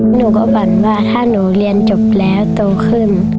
หนูก็หวั่นว่าถ้าหนูเรียนจบแล้วโตขึ้น